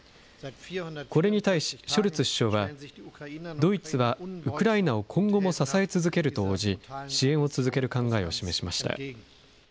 これに対しショルツ首相は、ドイツはウクライナを今後も支え続けると応じ、支援を続ける考えを示しました。